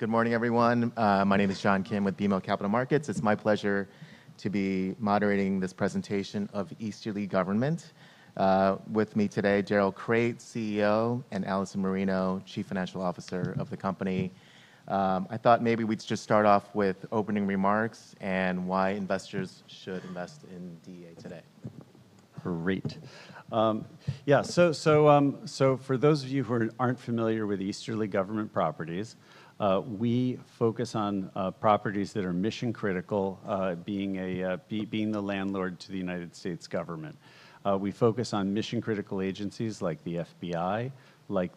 Good morning, everyone. My name is John Kim with BMO Capital Markets. It's my pleasure to be moderating this presentation of Easterly Government. With me today, Darrell Crate, CEO, and Allison Marino, Chief Financial Officer of the company. I thought maybe we'd just start off with opening remarks and why investors should invest in DEA today. Great. Yeah, so for those of you who aren't familiar with Easterly Government Properties, we focus on properties that are mission-critical, being the landlord to the United States government. We focus on mission-critical agencies like the FBI, like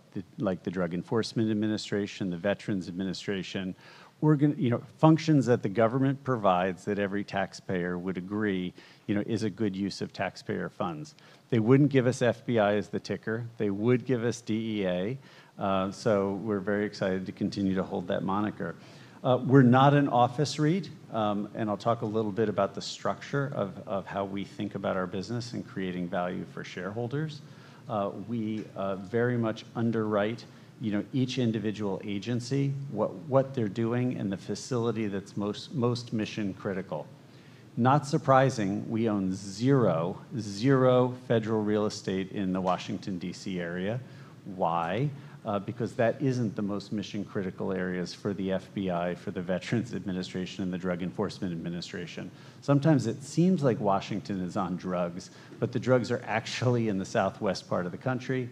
the Drug Enforcement Administration, the Veterans Administration. Functions that the government provides that every taxpayer would agree is a good use of taxpayer funds. They wouldn't give us FBI as the ticker. They would give us DEA. So we're very excited to continue to hold that moniker. We're not an office REIT, and I'll talk a little bit about the structure of how we think about our business and creating value for shareholders. We very much underwrite each individual agency, what they're doing, and the facility that's most mission-critical. Not surprising, we own zero, zero federal real estate in the Washington, D.C. area. Why? Because that isn't the most mission-critical areas for the FBI, for the Veterans Administration, and the Drug Enforcement Administration. Sometimes it seems like Washington is on drugs, but the drugs are actually in the southwest part of the country.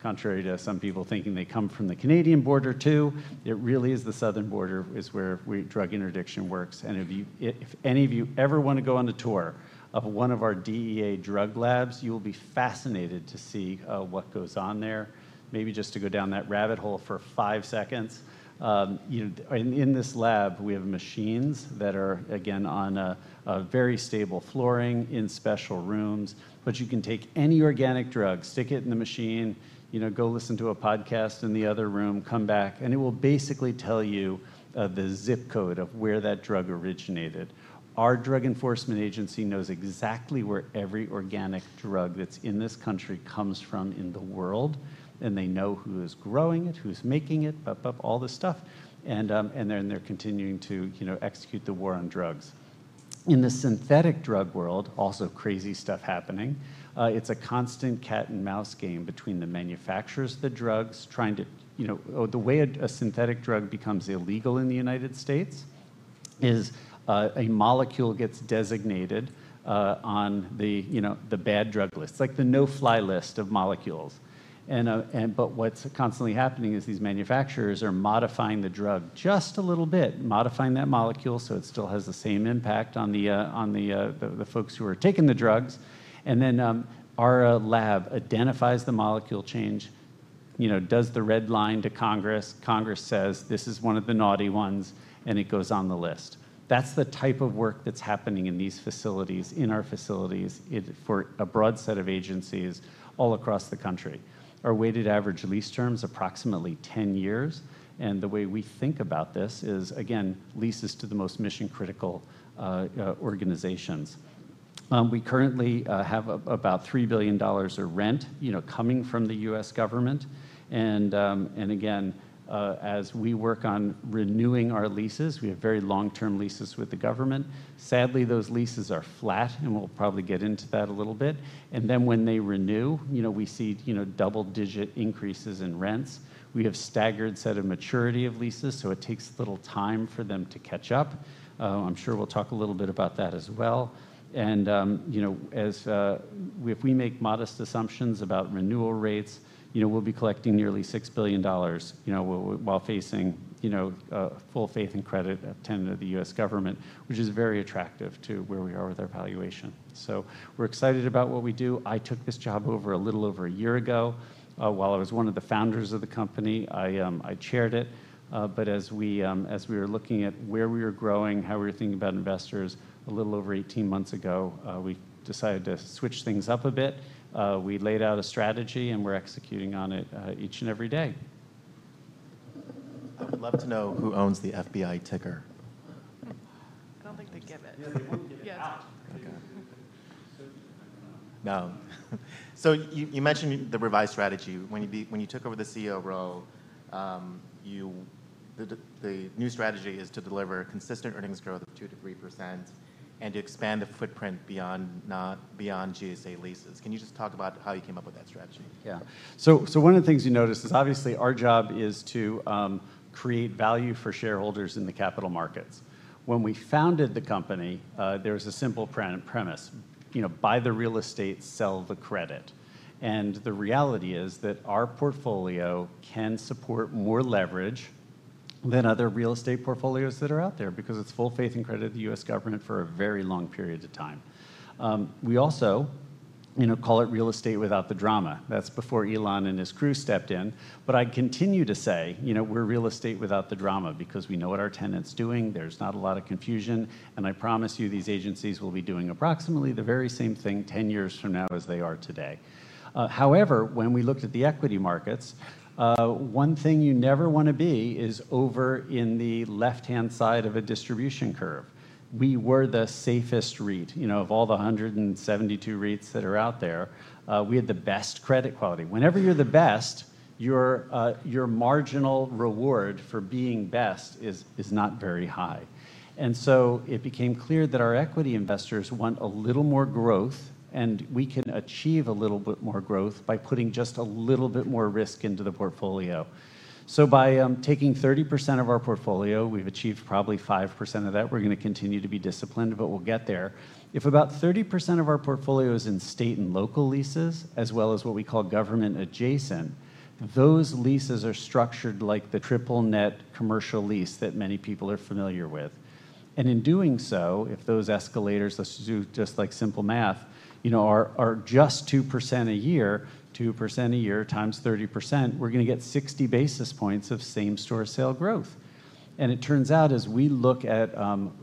Contrary to some people thinking they come from the Canadian border, too, it really is the southern border where drug interdiction works. If any of you ever want to go on a tour of one of our DEA drug labs, you will be fascinated to see what goes on there. Maybe just to go down that rabbit hole for five seconds. In this lab, we have machines that are, again, on a very stable flooring in special rooms. You can take any organic drug, stick it in the machine, go listen to a podcast in the other room, come back, and it will basically tell you the zip code of where that drug originated. Our Drug Enforcement Agency knows exactly where every organic drug that's in this country comes from in the world, and they know who is growing it, who's making it, all this stuff. They are continuing to execute the war on drugs. In the synthetic drug world, also crazy stuff happening. It's a constant cat-and-mouse game between the manufacturers of the drugs, trying to—oh, the way a synthetic drug becomes illegal in the United States is a molecule gets designated on the bad drug list, like the no-fly list of molecules. What's constantly happening is these manufacturers are modifying the drug just a little bit, modifying that molecule so it still has the same impact on the folks who are taking the drugs. Then our lab identifies the molecule change, does the red line to Congress. Congress says, "This is one of the naughty ones," and it goes on the list. That's the type of work that's happening in these facilities, in our facilities, for a broad set of agencies all across the country. Our weighted average lease term is approximately 10 years. The way we think about this is, again, leases to the most mission-critical organizations. We currently have about $3 billion of rent coming from the U.S. government. Again, as we work on renewing our leases, we have very long-term leases with the government. Sadly, those leases are flat, and we'll probably get into that a little bit. When they renew, we see double-digit increases in rents. We have a staggered set of maturity of leases, so it takes a little time for them to catch up. I'm sure we'll talk a little bit about that as well. If we make modest assumptions about renewal rates, we'll be collecting nearly $6 billion while facing full faith and credit at the tenure of the U.S. government, which is very attractive to where we are with our valuation. We are excited about what we do. I took this job over a little over a year ago while I was one of the founders of the company. I chaired it. As we were looking at where we were growing, how we were thinking about investors, a little over 18 months ago, we decided to switch things up a bit. We laid out a strategy, and we're executing on it each and every day. I would love to know who owns the FBI ticker. I don't think they give it. Yes. Okay. Now, so you mentioned the revised strategy. When you took over the CEO role, the new strategy is to deliver consistent earnings growth of 2%-3% and to expand the footprint beyond GSA leases. Can you just talk about how you came up with that strategy? Yeah. So one of the things you notice is, obviously, our job is to create value for shareholders in the capital markets. When we founded the company, there was a simple premise: buy the real estate, sell the credit. And the reality is that our portfolio can support more leverage than other real estate portfolios that are out there because it's full faith and credit of the U.S. government for a very long period of time. We also call it real estate without the drama. That's before Elon and his crew stepped in. But I continue to say we're real estate without the drama because we know what our tenant's doing. There's not a lot of confusion. And I promise you these agencies will be doing approximately the very same thing 10 years from now as they are today. However, when we looked at the equity markets, one thing you never want to be is over in the left-hand side of a distribution curve. We were the safest REIT of all the 172 REITs that are out there. We had the best credit quality. Whenever you're the best, your marginal reward for being best is not very high. It became clear that our equity investors want a little more growth, and we can achieve a little bit more growth by putting just a little bit more risk into the portfolio. By taking 30% of our portfolio, we've achieved probably 5% of that. We're going to continue to be disciplined, but we'll get there. If about 30% of our portfolio is in state and local leases, as well as what we call government-adjacent, those leases are structured like the triple-net commercial lease that many people are familiar with. In doing so, if those escalators, let's do just like simple math, are just 2% a year, 2% a year times 30%, we're going to get 60 basis points of same-store sale growth. It turns out, as we look at,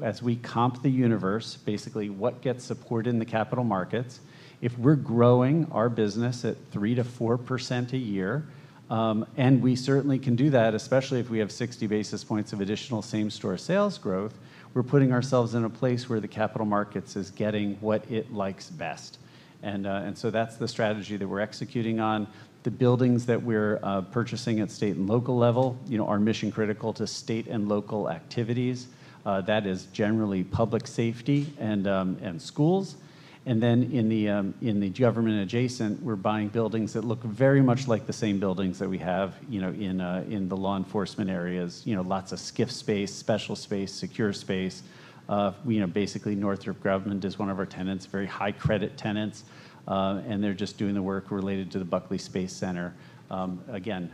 as we comp the universe, basically what gets supported in the capital markets, if we're growing our business at 3%-4% a year, and we certainly can do that, especially if we have 60 basis points of additional same-store sales growth, we're putting ourselves in a place where the capital markets is getting what it likes best. That's the strategy that we're executing on. The buildings that we're purchasing at state and local level are mission-critical to state and local activities, that is generally public safety and schools. In the government-adjacent, we're buying buildings that look very much like the same buildings that we have in the law enforcement areas, lots of skiff space, special space, secure space. Basically, Northrop Grumman is one of our tenants, very high-credit tenants, and they're just doing the work related to the Buckley Space Center. Again,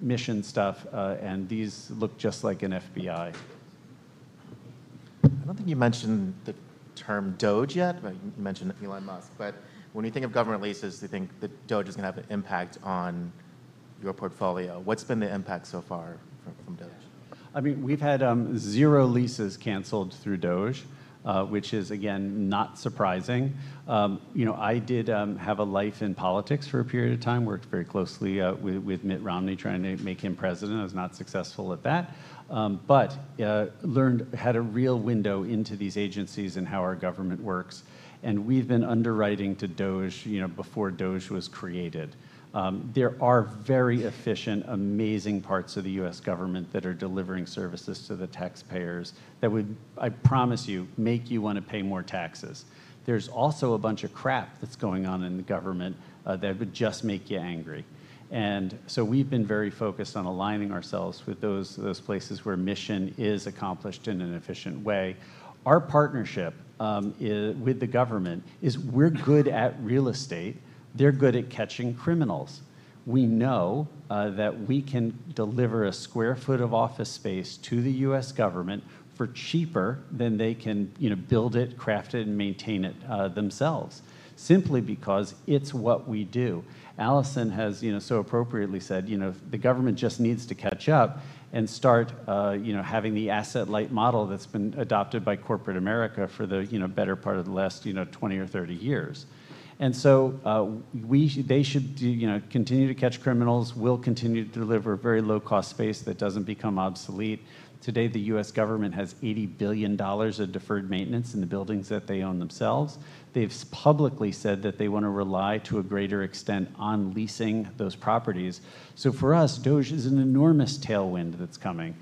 mission stuff, and these look just like an FBI. I don't think you mentioned the term DOGE yet. You mentioned Elon Musk. When you think of government leases, you think that DOGE is going to have an impact on your portfolio. What's been the impact so far from DOGE? I mean, we've had zero leases canceled through DOGE, which is, again, not surprising. I did have a life in politics for a period of time, worked very closely with Mitt Romney trying to make him president. I was not successful at that, but learned, had a real window into these agencies and how our government works. We've been underwriting to DOGE before DOGE was created. There are very efficient, amazing parts of the U.S. government that are delivering services to the taxpayers that would, I promise you, make you want to pay more taxes. There's also a bunch of crap that's going on in the government that would just make you angry. We've been very focused on aligning ourselves with those places where mission is accomplished in an efficient way. Our partnership with the government is we're good at real estate. They're good at catching criminals. We know that we can deliver a sq ft of office space to the U.S. government for cheaper than they can build it, craft it, and maintain it themselves, simply because it is what we do. Allison has so appropriately said, the government just needs to catch up and start having the asset-light model that has been adopted by corporate America for the better part of the last 20 or 30 years. They should continue to catch criminals. We will continue to deliver very low-cost space that does not become obsolete. Today, the U.S. government has $80 billion of deferred maintenance in the buildings that they own themselves. They have publicly said that they want to rely to a greater extent on leasing those properties. For us, DOGE is an enormous tailwind that is coming.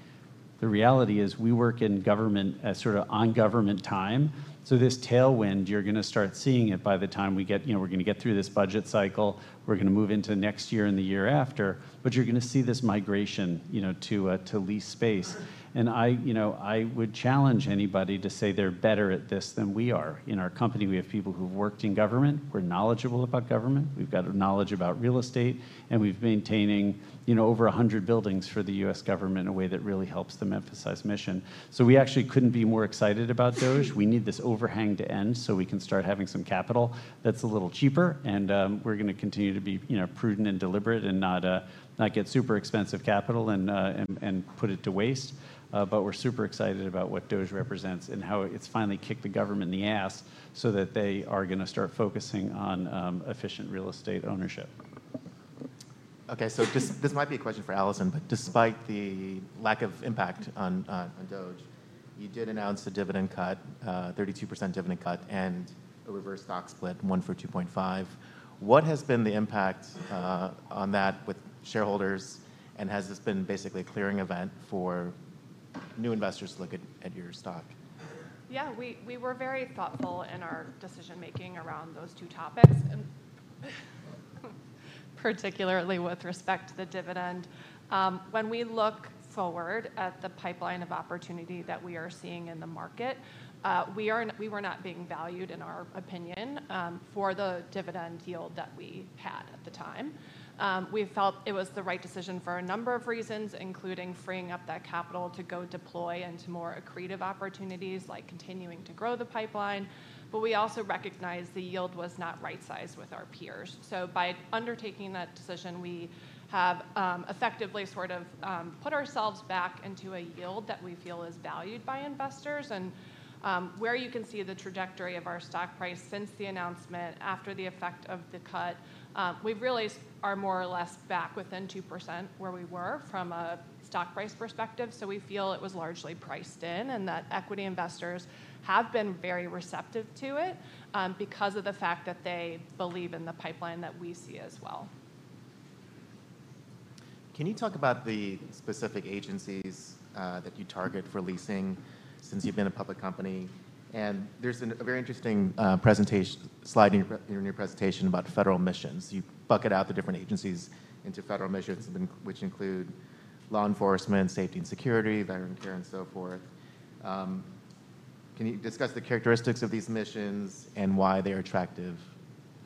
The reality is we work in government, sort of on government time. This tailwind, you're going to start seeing it by the time we're going to get through this budget cycle. We're going to move into next year and the year after, but you're going to see this migration to lease space. I would challenge anybody to say they're better at this than we are. In our company, we have people who've worked in government. We're knowledgeable about government. We've got knowledge about real estate, and we've maintained over 100 buildings for the U.S. government in a way that really helps them emphasize mission. We actually couldn't be more excited about DOGE. We need this overhang to end so we can start having some capital that's a little cheaper. We're going to continue to be prudent and deliberate and not get super expensive capital and put it to waste. We are super excited about what DOGE represents and how it has finally kicked the government in the ass so that they are going to start focusing on efficient real estate ownership. Okay. So this might be a question for Allison, but despite the lack of impact on DOGE, you did announce a dividend cut, a 32% dividend cut, and a reverse stock split, 1-for-2.5. What has been the impact on that with shareholders, and has this been basically a clearing event for new investors to look at your stock? Yeah. We were very thoughtful in our decision-making around those two topics, particularly with respect to the dividend. When we look forward at the pipeline of opportunity that we are seeing in the market, we were not being valued, in our opinion, for the dividend yield that we had at the time. We felt it was the right decision for a number of reasons, including freeing up that capital to go deploy into more accretive opportunities, like continuing to grow the pipeline. We also recognized the yield was not right-sized with our peers. By undertaking that decision, we have effectively sort of put ourselves back into a yield that we feel is valued by investors. Where you can see the trajectory of our stock price since the announcement, after the effect of the cut, we really are more or less back within 2% where we were from a stock price perspective. We feel it was largely priced in and that equity investors have been very receptive to it because of the fact that they believe in the pipeline that we see as well. Can you talk about the specific agencies that you target for leasing since you've been a public company? There's a very interesting slide in your presentation about federal missions. You bucket out the different agencies into federal missions, which include law enforcement, safety and security, veteran care, and so forth. Can you discuss the characteristics of these missions and why they are attractive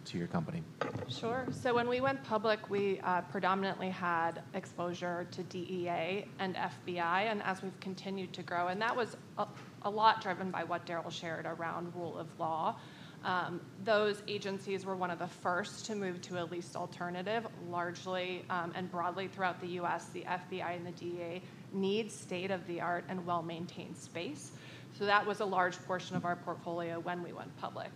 to your company? Sure. When we went public, we predominantly had exposure to DEA and FBI, and as we've continued to grow, and that was a lot driven by what Darrell shared around rule of law. Those agencies were one of the first to move to a lease alternative, largely and broadly throughout the U.S. The FBI and the DEA need state-of-the-art and well-maintained space. That was a large portion of our portfolio when we went public.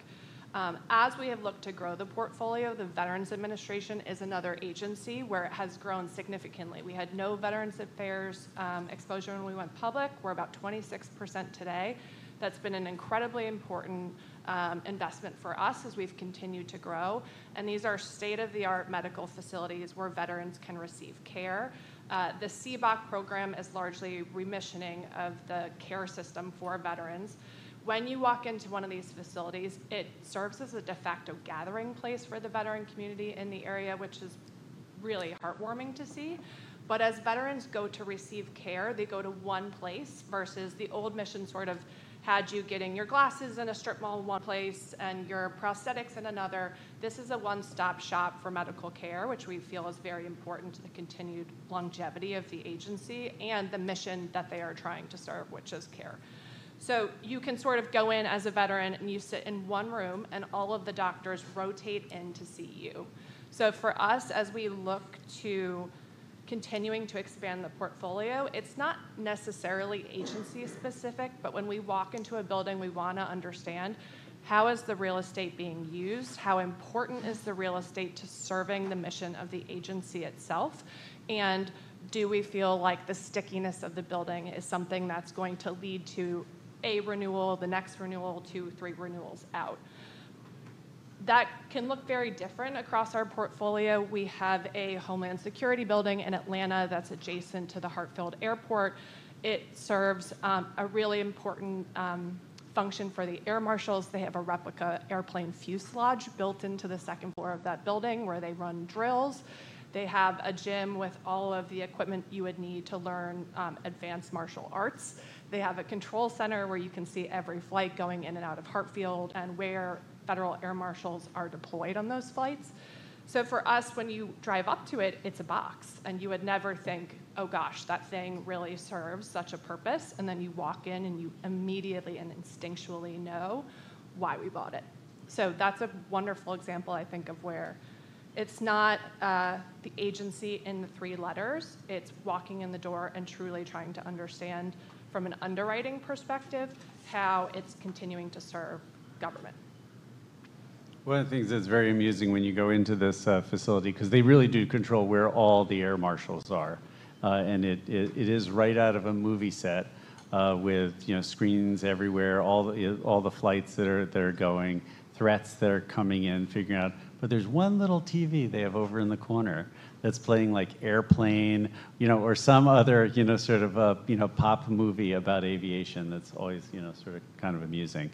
As we have looked to grow the portfolio, the Veterans Administration is another agency where it has grown significantly. We had no veterans affairs exposure when we went public. We're about 26% today. That's been an incredibly important investment for us as we've continued to grow. These are state-of-the-art medical facilities where veterans can receive care. The CBOC program is largely remissioning of the care system for veterans. When you walk into one of these facilities, it serves as a de facto gathering place for the veteran community in the area, which is really heartwarming to see. As veterans go to receive care, they go to one place versus the old mission sort of had you getting your glasses in a strip mall in one place and your prosthetics in another. This is a one-stop shop for medical care, which we feel is very important to the continued longevity of the agency and the mission that they are trying to serve, which is care. You can sort of go in as a veteran, and you sit in one room, and all of the doctors rotate in to see you. For us, as we look to continuing to expand the portfolio, it's not necessarily agency-specific, but when we walk into a building, we want to understand how is the real estate being used, how important is the real estate to serving the mission of the agency itself, and do we feel like the stickiness of the building is something that's going to lead to a renewal, the next renewal, two, three renewals out. That can look very different across our portfolio. We have a Homeland Security building in Atlanta that's adjacent to the Hartsfield Airport. It serves a really important function for the air marshals. They have a replica airplane fuselage built into the second floor of that building where they run drills. They have a gym with all of the equipment you would need to learn advanced martial arts. They have a control center where you can see every flight going in and out of Hartsfield and where federal air marshals are deployed on those flights. For us, when you drive up to it, it's a box. You would never think, "Oh gosh, that thing really serves such a purpose." You walk in, and you immediately and instinctually know why we bought it. That's a wonderful example, I think, of where it's not the agency in the three letters. It's walking in the door and truly trying to understand from an underwriting perspective how it's continuing to serve government. One of the things that's very amusing when you go into this facility because they really do control where all the air marshals are. It is right out of a movie set with screens everywhere, all the flights that are going, threats that are coming in, figuring out. There is one little TV they have over in the corner that's playing like Airplane or some other sort of pop movie about aviation that's always sort of kind of amusing.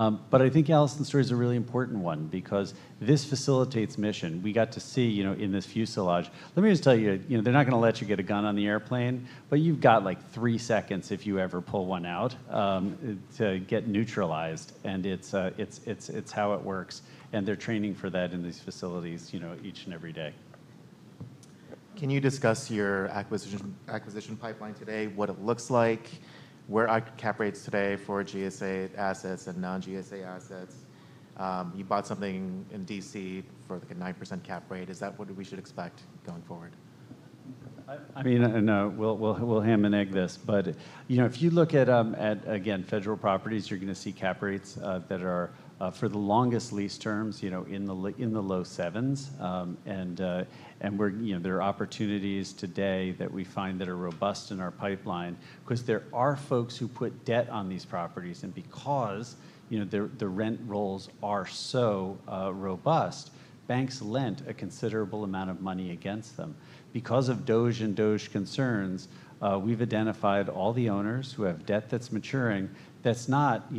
I think Allison's story is a really important one because this facilitates mission. We got to see in this fuselage, let me just tell you, they're not going to let you get a gun on the airplane, but you've got like three seconds if you ever pull one out to get neutralized. It's how it works. They're training for that in these facilities each and every day. Can you discuss your acquisition pipeline today, what it looks like, where are cap rates today for GSA assets and non-GSA assets? You bought something in D.C. for like a 9% cap rate. Is that what we should expect going forward? I mean, we'll hammer egg this. If you look at, again, federal properties, you're going to see cap rates that are for the longest lease terms in the low sevens. There are opportunities today that we find that are robust in our pipeline, because there are folks who put debt on these properties. Because the rent rolls are so robust, banks lent a considerable amount of money against them. Because of DOGE and DOGE concerns, we've identified all the owners who have debt that's maturing that's not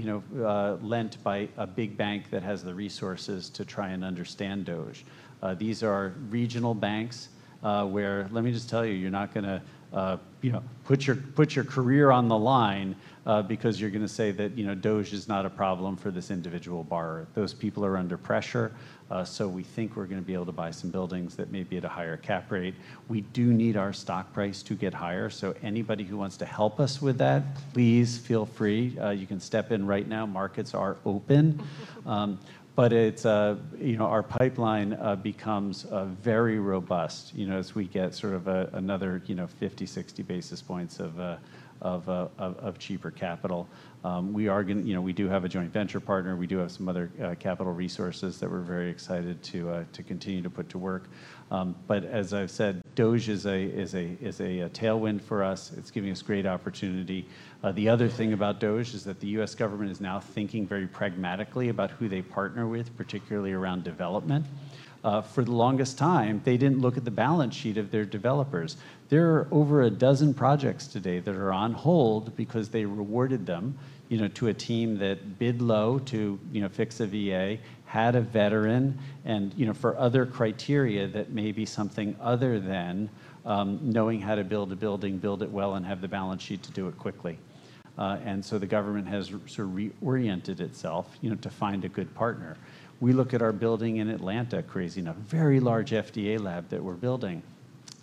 lent by a big bank that has the resources to try and understand DOGE. These are regional banks where, let me just tell you, you're not going to put your career on the line because you're going to say that DOGE is not a problem for this individual borrower. Those people are under pressure. We think we're going to be able to buy some buildings that may be at a higher cap rate. We do need our stock price to get higher. Anybody who wants to help us with that, please feel free. You can step in right now. Markets are open. Our pipeline becomes very robust as we get sort of another 50-60 basis points of cheaper capital. We do have a joint venture partner. We do have some other capital resources that we're very excited to continue to put to work. As I've said, DOGE is a tailwind for us. It's giving us great opportunity. The other thing about DOGE is that the U.S. government is now thinking very pragmatically about who they partner with, particularly around development. For the longest time, they did not look at the balance sheet of their developers. There are over a dozen projects today that are on hold because they rewarded them to a team that bid low to fix a VA, had a veteran, and for other criteria that may be something other than knowing how to build a building, build it well, and have the balance sheet to do it quickly. The government has reoriented itself to find a good partner. We look at our building in Atlanta, crazy enough, a very large FDA lab that we're building.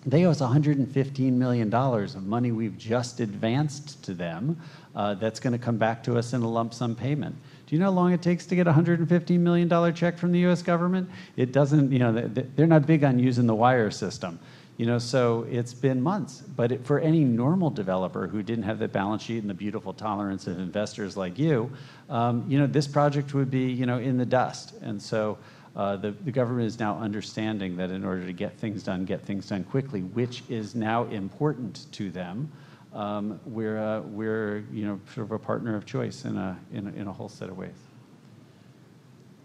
They owe us $115 million of money we've just advanced to them that's going to come back to us in a lump sum payment. Do you know how long it takes to get a $115 million check from the U.S. government? They're not big on using the wire system. It's been months. For any normal developer who did not have the balance sheet and the beautiful tolerance of investors like you, this project would be in the dust. The government is now understanding that in order to get things done, get things done quickly, which is now important to them, we are sort of a partner of choice in a whole set of ways.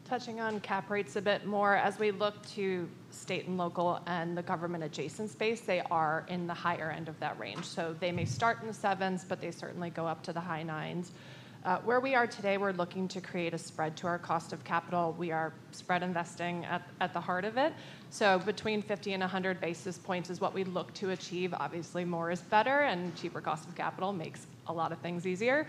Touching on cap rates a bit more, as we look to state and local and the government-adjacent space, they are in the higher end of that range. They may start in the sevens, but they certainly go up to the high nines. Where we are today, we're looking to create a spread to our cost of capital. We are spread investing at the heart of it. Between 50 and 100 basis points is what we look to achieve. Obviously, more is better, and cheaper cost of capital makes a lot of things easier.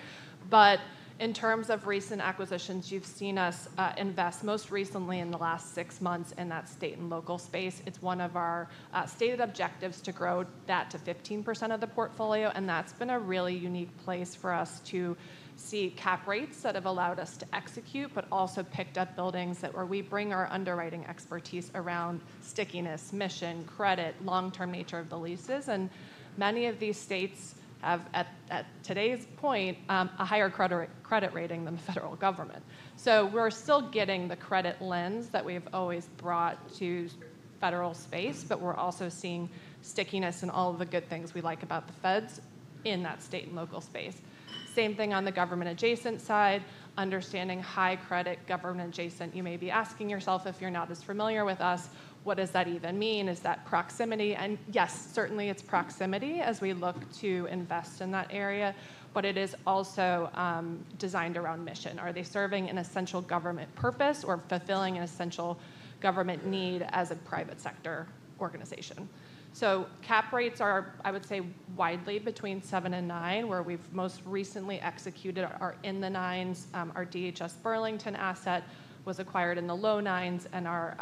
In terms of recent acquisitions, you've seen us invest most recently in the last six months in that state and local space. It's one of our stated objectives to grow that to 15% of the portfolio. That has been a really unique place for us to see cap rates that have allowed us to execute, but also picked up buildings where we bring our underwriting expertise around stickiness, mission, credit, long-term nature of the leases. Many of these states have, at today's point, a higher credit rating than the federal government. We are still getting the credit lens that we have always brought to federal space, but we are also seeing stickiness in all of the good things we like about the feds in that state and local space. Same thing on the government-adjacent side, understanding high credit government-adjacent. You may be asking yourself, if you are not as familiar with us, what does that even mean? Is that proximity? Yes, certainly it is proximity as we look to invest in that area, but it is also designed around mission. Are they serving an essential government purpose or fulfilling an essential government need as a private sector organization? Cap rates are, I would say, widely between 7 and 9, where we've most recently executed are in the 9s. Our DHS Burlington asset was acquired in the low 9s, and our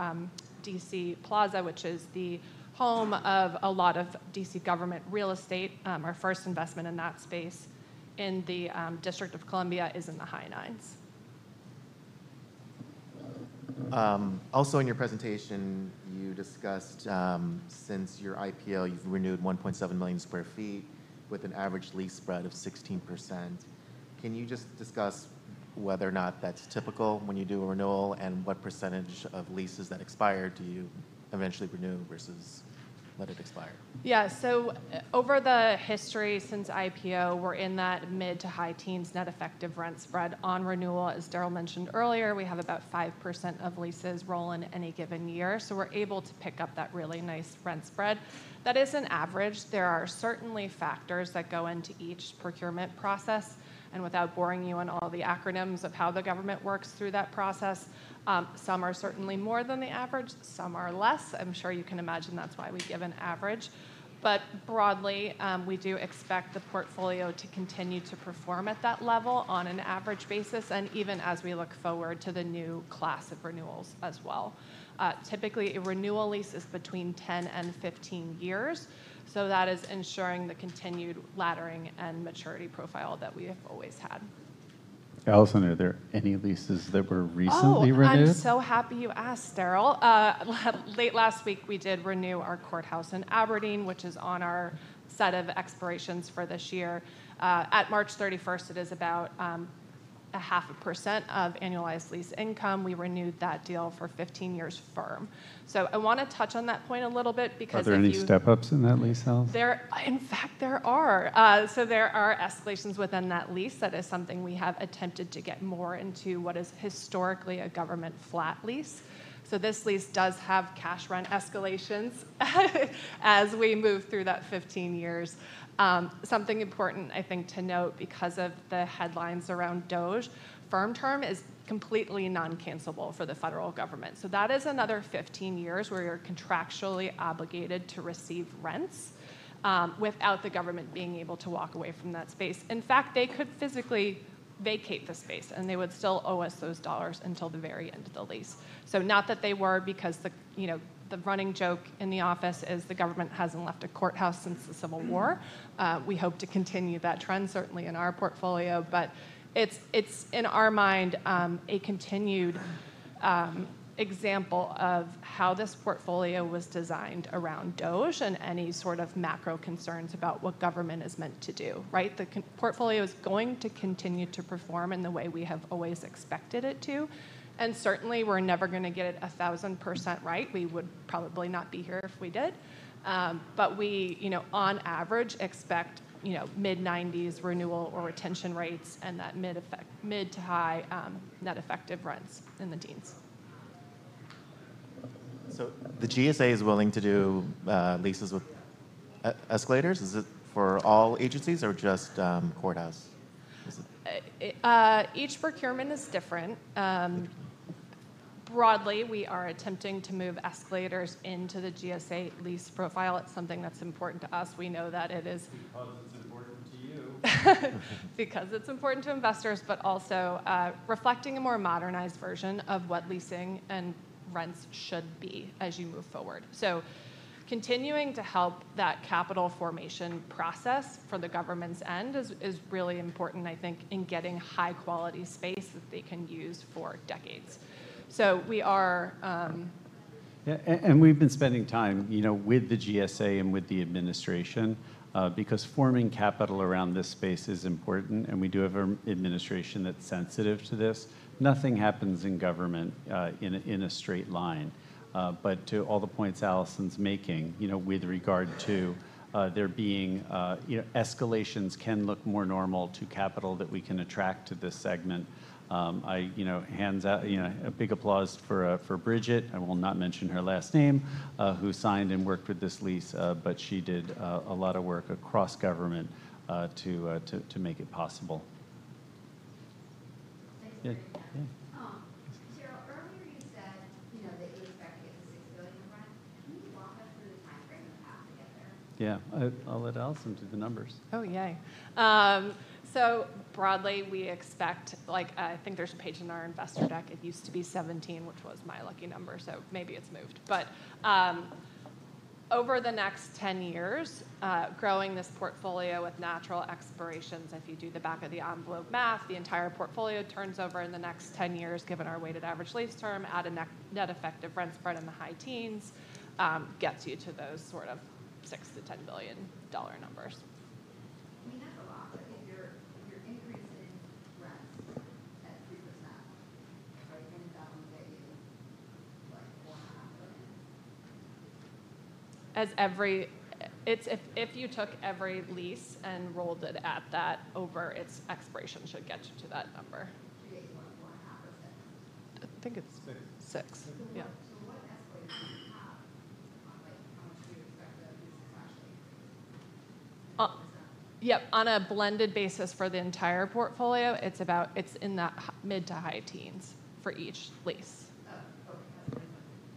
D.C. Plaza, which is the home of a lot of D.C. government real estate, our first investment in that space in the District of Columbia, is in the high 9s. Also in your presentation, you discussed since your IPO, you've renewed 1.7 million sq ft with an average lease spread of 16%. Can you just discuss whether or not that's typical when you do a renewal and what percentage of leases that expire do you eventually renew versus let it expire? Yeah. Over the history since IPO, we're in that mid to high teens, net effective rent spread on renewal. As Darrell mentioned earlier, we have about 5% of leases roll in any given year. We're able to pick up that really nice rent spread. That is an average. There are certainly factors that go into each procurement process. Without boring you on all the acronyms of how the government works through that process, some are certainly more than the average. Some are less. I'm sure you can imagine that's why we give an average. Broadly, we do expect the portfolio to continue to perform at that level on an average basis, and even as we look forward to the new class of renewals as well. Typically, a renewal lease is between 10 and 15 years. That is ensuring the continued laddering and maturity profile that we have always had. Allison, are there any leases that were recently renewed? Oh, I'm so happy you asked, Darrell. Late last week, we did renew our courthouse in Aberdeen, which is on our set of expirations for this year. At March 31st, it is about 0.5% of annualized lease income. We renewed that deal for 15 years firm. I want to touch on that point a little bit because. Are there any step-ups in that lease health? In fact, there are. There are escalations within that lease. That is something we have attempted to get more into what is historically a government flat lease. This lease does have cash run escalations as we move through that 15 years. Something important, I think, to note because of the headlines around DOGE, firm term is completely non-cancelable for the federal government. That is another 15 years where you are contractually obligated to receive rents without the government being able to walk away from that space. In fact, they could physically vacate the space, and they would still owe us those dollars until the very end of the lease. Not that they would, because the running joke in the office is the government has not left a courthouse since the Civil War. We hope to continue that trend, certainly in our portfolio. It is, in our mind, a continued example of how this portfolio was designed around DOGE and any sort of macro concerns about what government is meant to do. The portfolio is going to continue to perform in the way we have always expected it to. Certainly, we're never going to get it 1,000% right. We would probably not be here if we did. We, on average, expect mid-90% renewal or retention rates and that mid to high net effective rents in the teens. The GSA is willing to do leases with escalators? Is it for all agencies or just courthouse? Each procurement is different. Broadly, we are attempting to move escalators into the GSA lease profile. It's something that's important to us. We know that it is. Because it's important to you. Because it's important to investors, but also reflecting a more modernized version of what leasing and rents should be as you move forward. Continuing to help that capital formation process for the government's end is really important, I think, in getting high-quality space that they can use for decades. We are. We have been spending time with the GSA and with the administration because forming capital around this space is important. We do have an administration that's sensitive to this. Nothing happens in government in a straight line. To all the points Allison's making with regard to there being escalations, it can look more normal to capital that we can attract to this segment. A big applause for Bridget. I will not mention her last name, who signed and worked with this lease, but she did a lot of work across government to make it possible. Darrell, earlier you said that you expect to get the [86] billion grant. Can you walk us through the time frame of how to get there? Yeah. I'll let Allison do the numbers. Oh, yay. Broadly, we expect, I think there's a page in our investor deck. It used to be 17, which was my lucky number. Maybe it's moved. Over the next 10 years, growing this portfolio with natural expirations, if you do the back of the envelope math, the entire portfolio turns over in the next 10 years, given our weighted average lease term. Add a net effective rent spread in the high teens, gets you to those sort of $6 billion-$10 billion numbers. Can we have a mock of your increase in rents at 3%? And that will get you like? If you took every lease and rolled it at that, over its expiration, should get you to that number. I think it's six. Six. Yeah. What escalation do you have on how much do you expect the leases actually increase? Yep. On a blended basis for the entire portfolio, it's in that mid to high teens for each lease.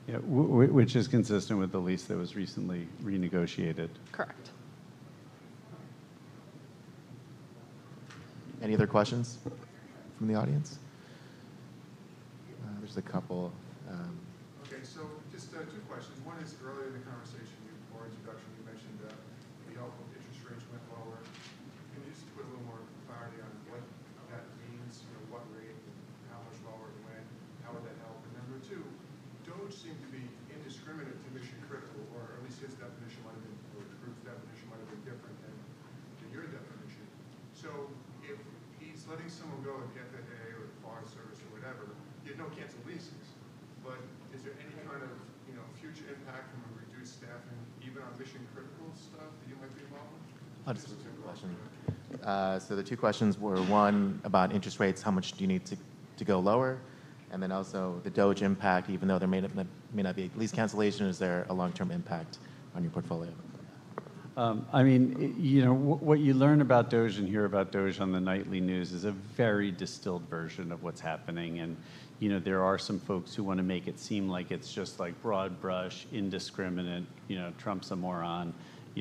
Oh, okay. Which is consistent with the lease that was recently renegotiated. Correct. Any other questions from the audience? There's a couple. Okay. So just two questions. One is, earlier in the conversation, before introduction, you mentioned the help of interest rates went lower. Can you just put a little more clarity on what that means, what rate, how much lower it went, how would that help? Number two, DOGE seemed to be indiscriminate to mission critical, or at least his definition might have been or the group's definition might have been different than your definition. If he's letting someone go and get the VA or the FAR service or whatever, he had no cancel leases. Is there any kind of future impact from a reduced staffing, even on mission critical stuff that you might be involved with? The two questions were one about interest rates, how much do you need to go lower, and then also the DOGE impact, even though there may not be lease cancellations, is there a long-term impact on your portfolio? I mean, what you learn about DOGE and hear about DOGE on the nightly news is a very distilled version of what's happening. There are some folks who want to make it seem like it's just like broad brush, indiscriminate, Trump's a moron,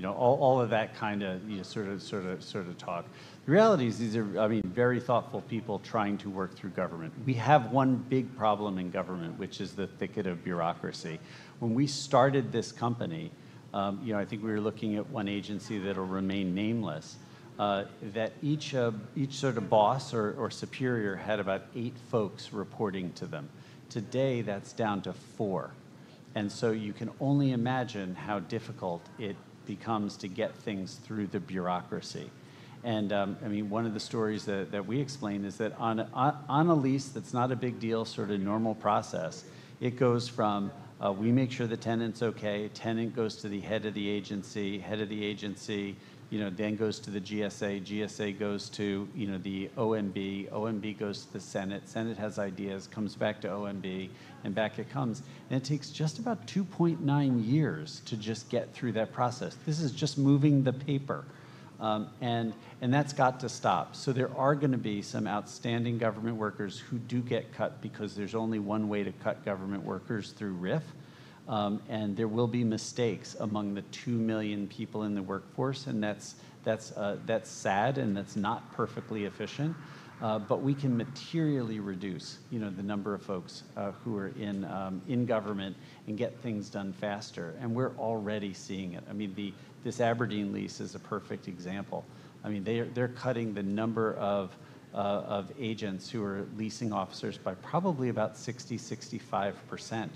all of that kind of sort of talk. The reality is these are, I mean, very thoughtful people trying to work through government. We have one big problem in government, which is the thicket of bureaucracy. When we started this company, I think we were looking at one agency that'll remain nameless, that each sort of boss or superior had about eight folks reporting to them. Today, that's down to four. You can only imagine how difficult it becomes to get things through the bureaucracy. I mean, one of the stories that we explained is that on a lease that's not a big deal, sort of normal process, it goes from we make sure the tenant's okay, tenant goes to the head of the agency, head of the agency then goes to the GSA, GSA goes to the OMB, OMB goes to the Senate, Senate has ideas, comes back to OMB, and back it comes. It takes just about 2.9 years to just get through that process. This is just moving the paper. That has got to stop. There are going to be some outstanding government workers who do get cut because there's only one way to cut government workers through RIF. There will be mistakes among the 2 million people in the workforce. That is sad and that is not perfectly efficient. We can materially reduce the number of folks who are in government and get things done faster. We're already seeing it. I mean, this Aberdeen lease is a perfect example. I mean, they're cutting the number of agents who are leasing officers by probably about 60%-65%.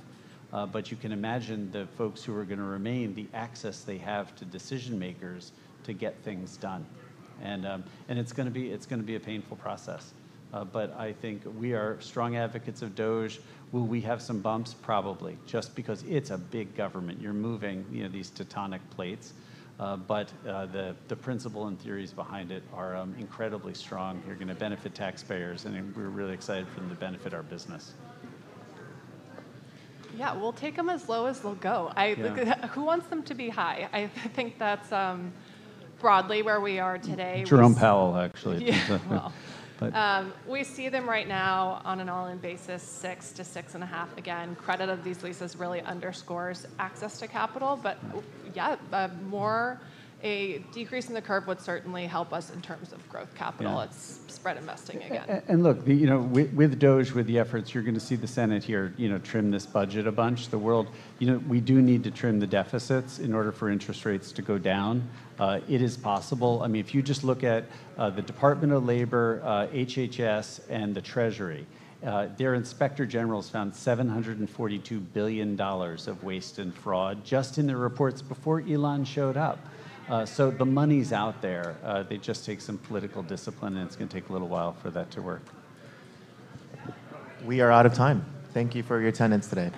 You can imagine the folks who are going to remain, the access they have to decision makers to get things done. It's going to be a painful process. I think we are strong advocates of DOGE. Will we have some bumps? Probably. Just because it's a big government, you're moving these tectonic plates. The principle and theories behind it are incredibly strong. They're going to benefit taxpayers. We're really excited for them to benefit our business. Yeah. We'll take them as low as they'll go. Who wants them to be high? I think that's broadly where we are today. Jerome Powell, actually. We see them right now on an all-in basis, 6-6.5. Again, credit of these leases really underscores access to capital. Yeah, a decrease in the curve would certainly help us in terms of growth capital. It's spread investing again. Look, with DOGE, with the efforts, you're going to see the Senate here trim this budget a bunch. We do need to trim the deficits in order for interest rates to go down. It is possible. I mean, if you just look at the Department of Labor, HHS, and the Treasury, their inspector generals found $742 billion of waste and fraud just in their reports before Elon showed up. So the money's out there. They just take some political discipline, and it's going to take a little while for that to work. We are out of time. Thank you for your attendance today.